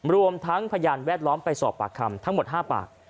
รวมทั้งพยานแวดล้อมไปสอบปากคำทั้งหมด๕ปาก